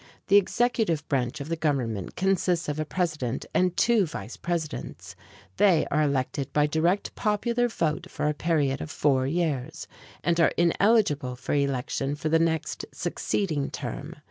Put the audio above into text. The executive branch of the government consists of a president and two vice presidents. They are elected by direct popular vote for a period of four years, and are ineligible for election for the next succeeding term.